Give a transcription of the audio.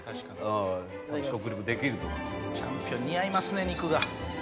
チャンピオン似合いますね肉が。